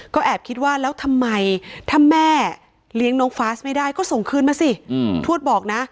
ก็แอบคิดว่าแล้วทำไมถ้าแม่เลี้ยงน้องฟาสไม่ได้ก็ส่งคืนมาสิทวดบอกนะ